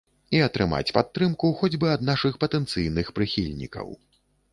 І атрымаць падтрымку хоць бы ад нашых патэнцыйных прыхільнікаў.